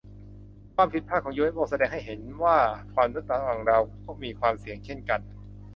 ความผิดพลาดของยูเอฟโอแสดงให้เห็นว่ามนุษย์ต่างดาวมีความเสี่ยงเช่นกัน